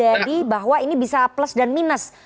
ini disampaikan oleh mas jadi bahwa ini bisa plus dan minus